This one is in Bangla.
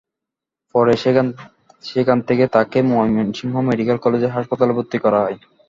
পরে সেখান থেকে তাঁকে ময়মনসিংহ মেডিকেল কলেজ হাসপাতালে ভর্তি করা হয়।